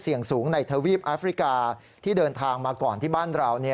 สูงในทวีปแอฟริกาที่เดินทางมาก่อนที่บ้านเรา